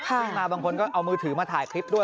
ขึ้นมาบางคนก็เอามือถือมาถ่ายคลิปด้วย